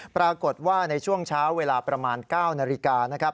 ปรากฏว่าในช่วงเช้าเวลาประมาณ๙นาฬิกานะครับ